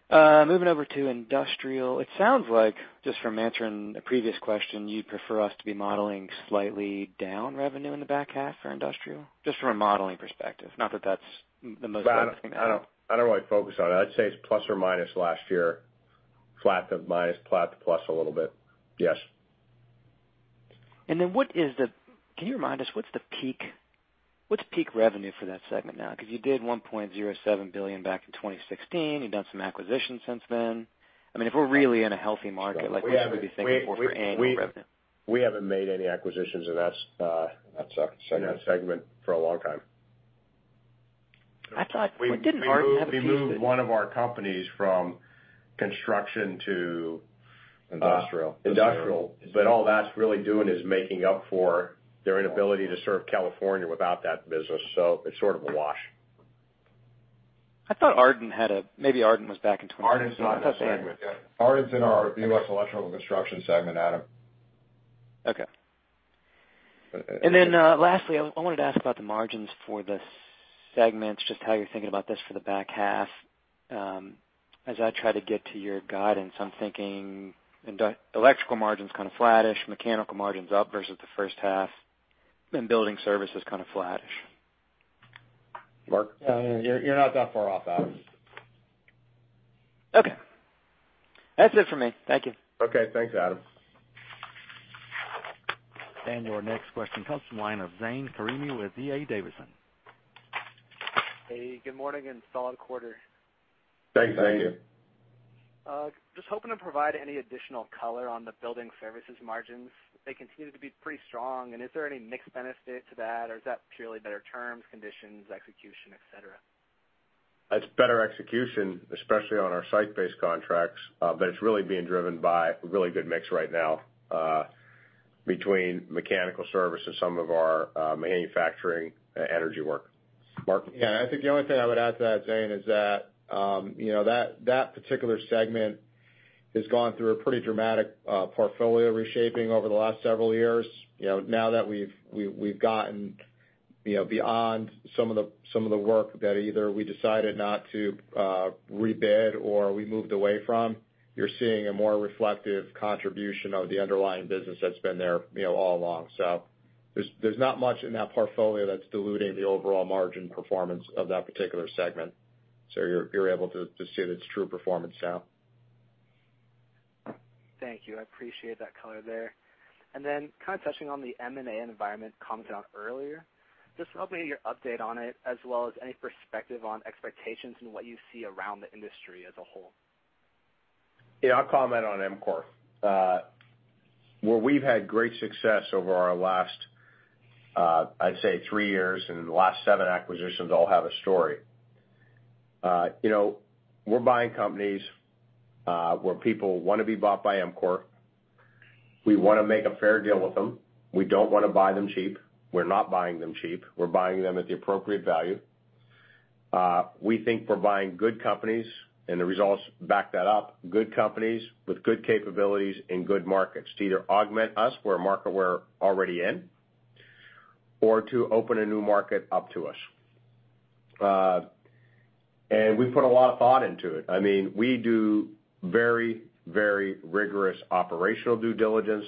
Moving over to industrial, it sounds like, just from answering a previous question, you'd prefer us to be modeling slightly down revenue in the back half for industrial? Just from a modeling perspective. I don't really focus on it. I'd say it's plus or minus last year, flat to minus, flat to plus a little bit. Yes. Then can you remind us what's peak revenue for that segment now? You did $1.07 billion back in 2016. You've done some acquisitions since then. I mean, if we're really in a healthy market, like what should we be thinking for annual revenue? We haven't made any acquisitions in that segment for a long time. Didn't Ardent have a piece of? We moved one of our companies from construction. Industrial industrial, but all that's really doing is making up for their inability to serve California without that business. It's sort of a wash. I thought Ardent, maybe Ardent was back in 2015. Ardent's not in the segment. Yeah. Ardent's in our U.S. Electrical Construction segment, Adam. Okay. lastly, I wanted to ask about the margins for the segments, just how you're thinking about this for the back half. As I try to get to your guidance, I'm thinking electrical margin's kind of flattish, mechanical margin's up versus the first half, and building services kind of flattish. Mark? You're not that far off, Adam. Okay. That's it for me. Thank you. Okay. Thanks, Adam. Your next question comes from the line of Zane Karimi with D.A. Davidson. Hey, good morning, and solid quarter. Thanks, Zane. Just hoping to provide any additional color on the building services margins. They continue to be pretty strong, and is there any mix benefit to that, or is that purely better terms, conditions, execution, et cetera? It's better execution, especially on our site-based contracts, but it's really being driven by really good mix right now between mechanical service and some of our manufacturing energy work. Mark? Yeah, I think the only thing I would add to that, Zane, is that particular segment has gone through a pretty dramatic portfolio reshaping over the last several years. Now that we've gotten beyond some of the work that either we decided not to re-bid or we moved away from, you're seeing a more reflective contribution of the underlying business that's been there all along. There's not much in that portfolio that's diluting the overall margin performance of that particular segment. You're able to see its true performance now. Thank you. I appreciate that color there. Touching on the M&A environment comment earlier, just hoping to get your update on it, as well as any perspective on expectations and what you see around the industry as a whole. Yeah, I'll comment on EMCOR. Where we've had great success over our last, I'd say three years, and the last seven acquisitions all have a story. We're buying companies where people want to be bought by EMCOR. We want to make a fair deal with them. We don't want to buy them cheap. We're not buying them cheap. We're buying them at the appropriate value. We think we're buying good companies, and the results back that up. Good companies with good capabilities in good markets to either augment us where a market we're already in or to open a new market up to us. We put a lot of thought into it. We do very rigorous operational due diligence,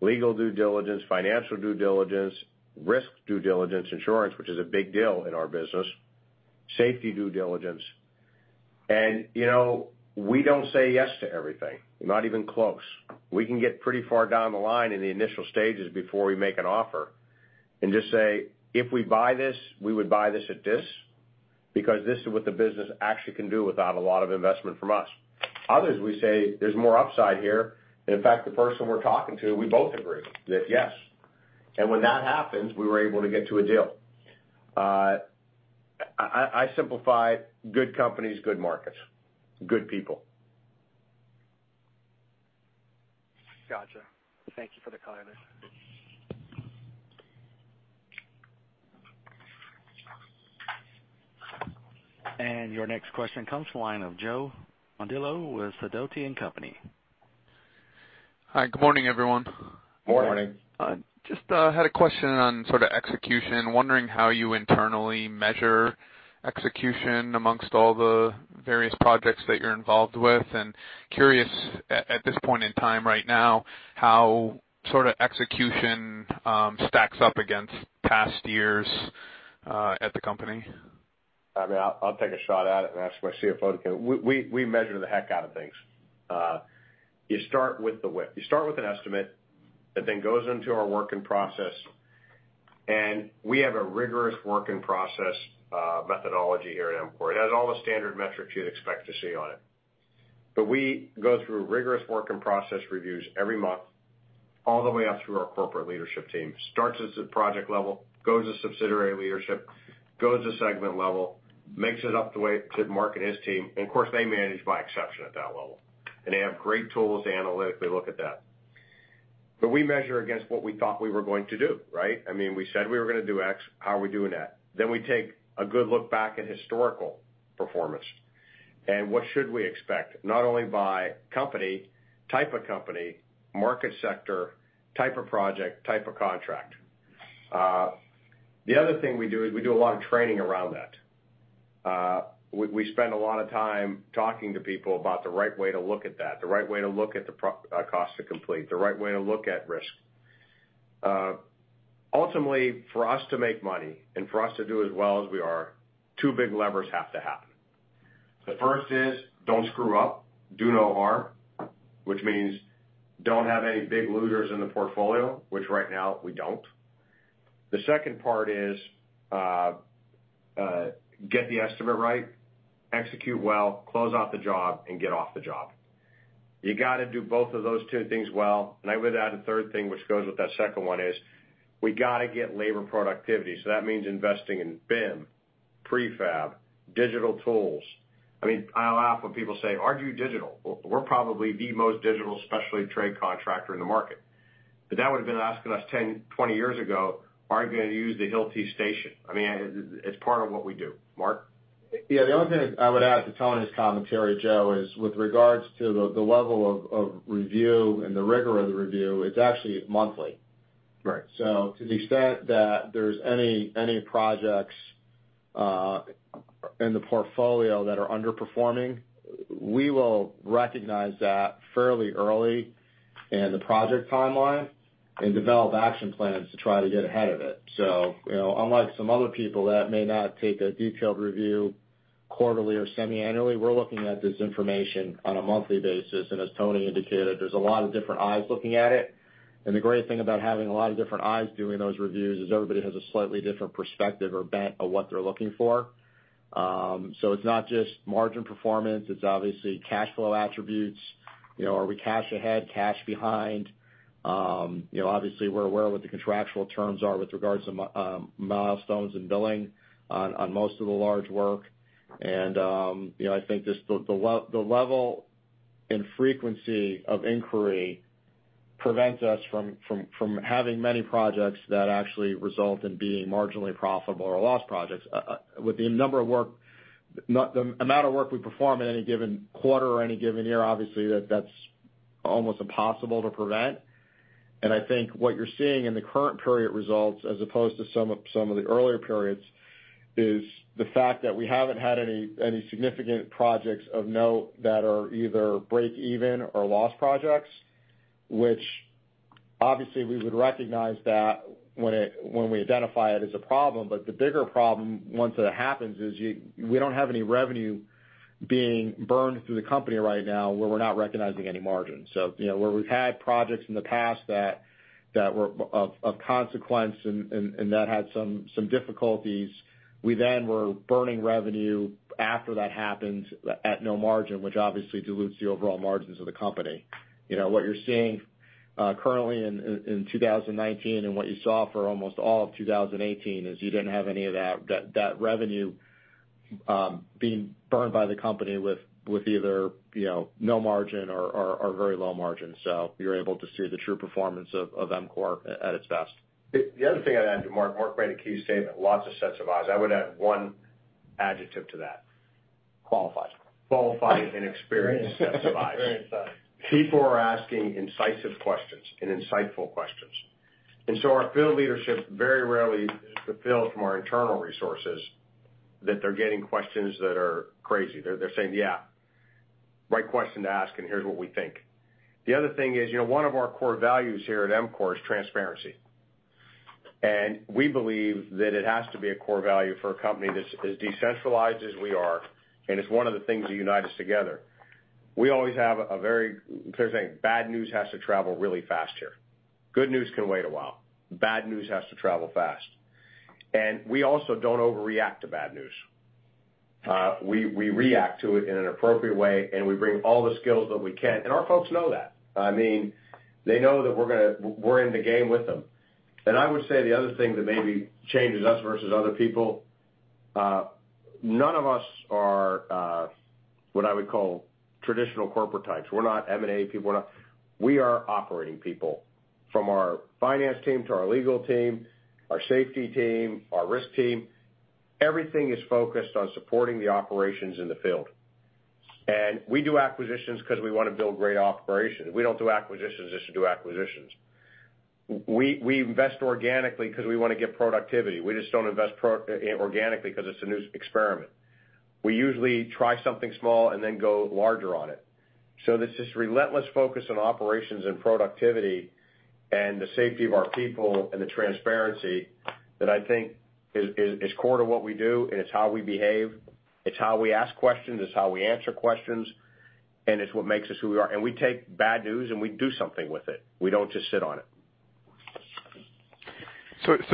legal due diligence, financial due diligence, risk due diligence, insurance, which is a big deal in our business, safety due diligence. We don't say yes to everything, not even close. We can get pretty far down the line in the initial stages before we make an offer and just say, "If we buy this, we would buy this at this, because this is what the business actually can do without a lot of investment from us." Others, we say, "There's more upside here." In fact, the person we're talking to, we both agree that yes. When that happens, we were able to get to a deal. I simplify good companies, good markets, good people. Got you. Thank you for the color there. Your next question comes from the line of Joe Mondillo with Sidoti & Company. Hi, good morning, everyone. Good morning. Morning. Just had a question on sort of execution. Wondering how you internally measure execution amongst all the various projects that you're involved with, and curious at this point in time right now, how sort of execution stacks up against past years at the company? I'll take a shot at it and ask my CFO to come in. We measure the heck out of things. You start with an estimate that then goes into our work in process, and we have a rigorous work in process methodology here at EMCOR. It has all the standard metrics you'd expect to see on it. We go through rigorous work in process reviews every month, all the way up through our corporate leadership team. Starts at the project level, goes to subsidiary leadership, goes to segment level, makes it up the way to Mark and his team, and of course, they manage by exception at that level. They have great tools to analytically look at that. We measure against what we thought we were going to do, right? We said we were going to do X, how are we doing that? We take a good look back at historical performance and what should we expect, not only by company, type of company, market sector, type of project, type of contract. The other thing we do is we do a lot of training around that. We spend a lot of time talking to people about the right way to look at that, the right way to look at the cost to complete, the right way to look at risk. Ultimately, for us to make money and for us to do as well as we are, two big levers have to happen. The first is don't screw up, do no harm, which means don't have any big losers in the portfolio, which right now we don't. The second part is get the estimate right, execute well, close out the job, and get off the job. You got to do both of those two things well, I would add a third thing which goes with that second one is, we got to get labor productivity. That means investing in BIM, prefab, digital tools. I laugh when people say, "Are you digital?" We're probably the most digital specialty trade contractor in the market. That would have been asking us 10, 20 years ago, "Are you going to use the Hilti station?" It's part of what we do. Mark? Yeah, the only thing I would add to Tony's commentary, Joe, is with regards to the level of review and the rigor of the review, it's actually monthly. Right. To the extent that there's any projects in the portfolio that are underperforming, we will recognize that fairly early in the project timeline and develop action plans to try to get ahead of it. Unlike some other people that may not take a detailed review quarterly or semiannually, we're looking at this information on a monthly basis. As Tony indicated, there's a lot of different eyes looking at it. The great thing about having a lot of different eyes doing those reviews is everybody has a slightly different perspective or bent of what they're looking for. It's not just margin performance, it's obviously cash flow attributes. Are we cash ahead, cash behind? Obviously, we're aware of what the contractual terms are with regards to milestones and billing on most of the large work. I think just the level and frequency of inquiry prevents us from having many projects that actually result in being marginally profitable or loss projects. With the number of work, the amount of work we perform at any given quarter or any given year, obviously that's almost impossible to prevent. I think what you're seeing in the current period results, as opposed to some of the earlier periods, is the fact that we haven't had any significant projects of note that are either break even or loss projects, which obviously we would recognize that when we identify it as a problem. The bigger problem once it happens is we don't have any revenue being burned through the company right now where we're not recognizing any margin. Where we've had projects in the past that were of consequence and that had some difficulties, we then were burning revenue after that happened at no margin, which obviously dilutes the overall margins of the company. What you're seeing currently in 2019 and what you saw for almost all of 2018 is you didn't have any of that revenue being burned by the company with either no margin or very low margin. You're able to see the true performance of EMCOR at its best. The other thing I'd add to Mark made a key statement, lots of sets of eyes. I would add one adjective to that. Qualified. Qualified and experienced sets of eyes. Experienced eyes. People are asking incisive questions and insightful questions. Our field leadership very rarely is faced from our internal resources that they're getting questions that are crazy. They're saying, "Yeah, right question to ask, and here's what we think." The other thing is one of our core values here at EMCOR is transparency. We believe that it has to be a core value for a company that's as decentralized as we are, and it's one of the things that unite us together. We always have a very clear saying, "Bad news has to travel really fast here." Good news can wait a while. Bad news has to travel fast. We also don't overreact to bad news. We react to it in an appropriate way, and we bring all the skills that we can, and our folks know that. They know that we're in the game with them. I would say the other thing that maybe changes us versus other people, none of us are what I would call traditional corporate types. We're not M&A people. We are operating people from our finance team to our legal team, our safety team, our risk team. Everything is focused on supporting the operations in the field. We do acquisitions because we want to build great operations. We don't do acquisitions just to do acquisitions. We invest organically because we want to get productivity. We just don't invest organically because it's a new experiment. We usually try something small and then go larger on it. There's this relentless focus on operations and productivity and the safety of our people and the transparency that I think is core to what we do, and it's how we behave. It's how we ask questions. It's how we answer questions, and it's what makes us who we are. We take bad news, and we do something with it. We don't just sit on it.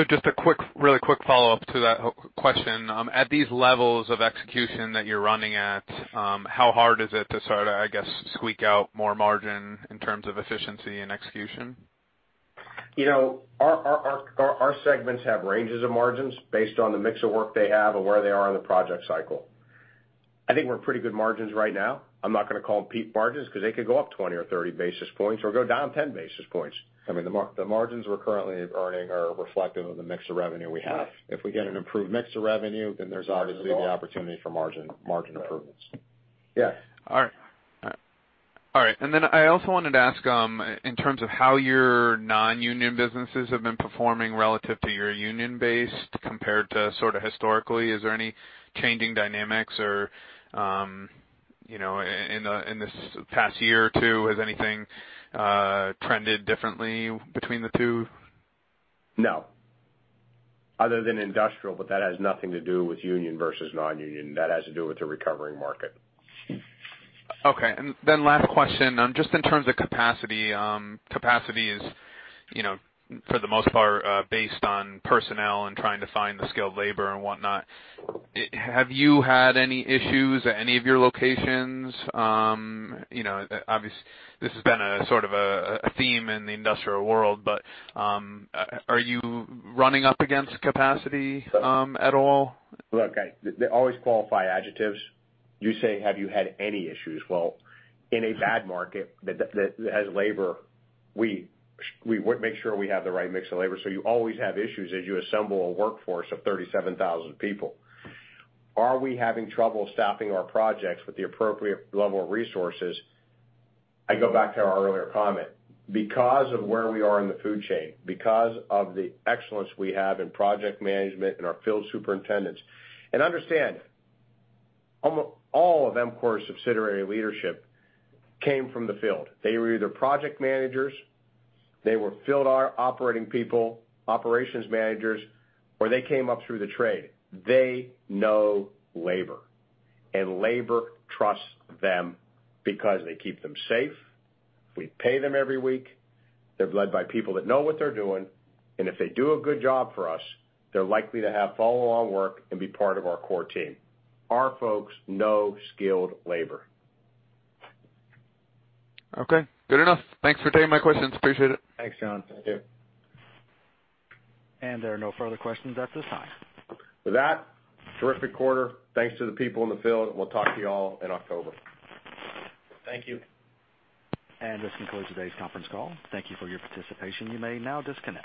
Just a really quick follow-up to that question. At these levels of execution that you're running at, how hard is it to start to, I guess, squeak out more margin in terms of efficiency and execution? Our segments have ranges of margins based on the mix of work they have and where they are in the project cycle. I think we're pretty good margins right now. I'm not going to call them peak margins because they could go up 20 or 30 basis points or go down 10 basis points. The margins we're currently earning are reflective of the mix of revenue we have. If we get an improved mix of revenue, there's obviously the opportunity for margin improvements. Yes. All right. I also wanted to ask in terms of how your non-union businesses have been performing relative to your union base compared to historically. Is there any changing dynamics in this past year or two? Has anything trended differently between the two? No, other than industrial, but that has nothing to do with union versus non-union. That has to do with the recovering market. Okay. Last question, just in terms of capacity. Capacity is for the most part based on personnel and trying to find the skilled labor and whatnot. Have you had any issues at any of your locations? Obviously, this has been a theme in the industrial world, are you running up against capacity at all? Look, they're always qualified adjectives. You say, "Have you had any issues?" Well, in a bad market that has labor, we make sure we have the right mix of labor, so you always have issues as you assemble a workforce of 37,000 people. Are we having trouble staffing our projects with the appropriate level of resources? I go back to our earlier comment. Because of where we are in the food chain, because of the excellence we have in project management and our field superintendents. Understand, all of EMCOR's subsidiary leadership came from the field. They were either project managers, they were field operating people, operations managers, or they came up through the trade. They know labor, and labor trusts them because they keep them safe. We pay them every week. They're led by people that know what they're doing, and if they do a good job for us, they're likely to have follow-on work and be part of our core team. Our folks know skilled labor. Okay, good enough. Thanks for taking my questions. Appreciate it. Thanks, Joe. Thank you. There are no further questions at this time. With that, terrific quarter. Thanks to the people in the field. We'll talk to you all in October. Thank you. This concludes today's conference call. Thank you for your participation. You may now disconnect.